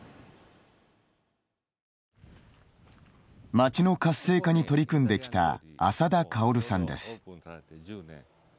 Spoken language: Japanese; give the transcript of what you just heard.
街の活性化に取り組んできた麻田馨さんです。